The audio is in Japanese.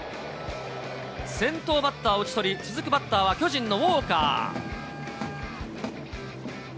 先頭バッターを打ち取り、続くバッターは巨人のウォーカー。